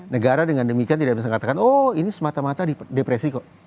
negara dengan demikian tidak bisa mengatakan oh ini semata mata depresi kok